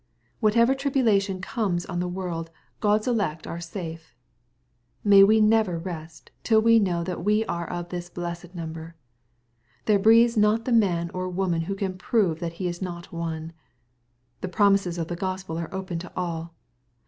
Whatever tribulation comes on the world, Q od's elect are safe. Mav we never rest till we know that we are of this blessed number ! There breathes not the man or woman who can prove that he is not one. {The promises of the Gospel are open to all.